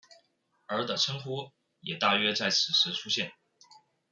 而的称呼也大约在此时出现。